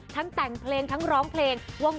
ทั้งแต่งเพลงทั้งร้องเพลง